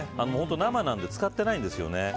生なので漬かってないんですよね。